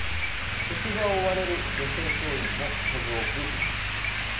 職場を追われる女性教員も数多くいます。